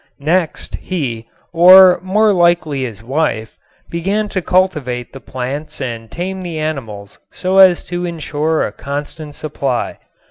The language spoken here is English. Next he, or more likely his wife, began to cultivate the plants and tame the animals so as to insure a constant supply.